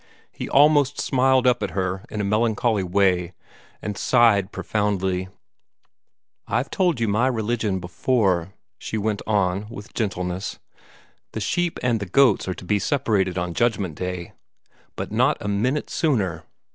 He almost smiled up at her in a melancholy way, and sighed profoundly. "I've told you MY religion before," she went on with gentleness. "The sheep and the goats are to be separated on Judgment Day, but not a minute sooner.